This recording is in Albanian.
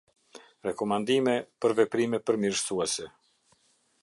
Rekomandime për veprime përmirësuese.